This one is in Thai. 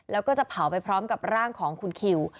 แล้วก็จะเผาไปพร้อมกับร่างของคุณคิว